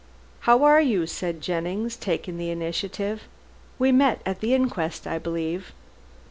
"How are you?" said Jennings, taking the initiative, "we met at that inquest, I believe."